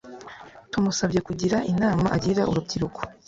Tumusabye kugira inama agira urubyiruko,